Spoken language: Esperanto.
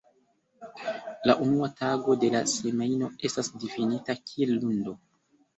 La unua tago de la semajno estas difinita kiel lundo.